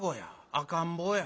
赤ん坊や。